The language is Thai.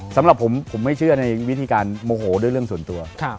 สำหรับผมผมไม่เชื่อในวิธีการโมโหด้วยเรื่องส่วนตัว